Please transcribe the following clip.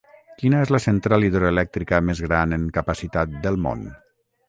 Quina és la central hidroelèctrica més gran en capacitat del món?